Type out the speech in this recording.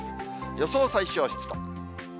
予想最小湿度。